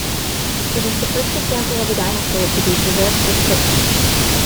It is the first example of a dinosaur to be preserved with footprints.